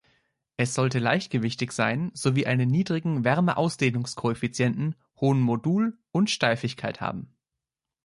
Es sollte leichtgewichtig sein sowie einen niedrigen Wärmeausdehnungskoeffizient, hohen Modul und Steifigkeit haben.